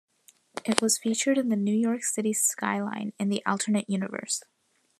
It was featured in the New York City skyline in the alternate universe.